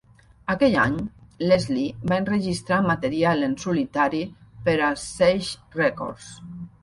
Aquell any, Leslie va enregistrar material en solitari per a Sage Records.